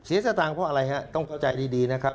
สตางค์เพราะอะไรฮะต้องเข้าใจดีนะครับ